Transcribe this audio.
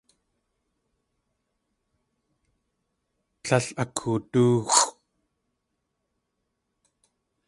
Tlél akoodóoxʼ.